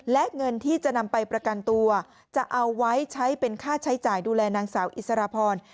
และเงินที่จะนำไปประกันตัวจะเอาไว้ใช้เป็นค่าใช้จ่ายดูแลนางสาวอิสรพร